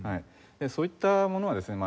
そういったものはですね